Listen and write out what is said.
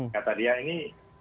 kata dia ini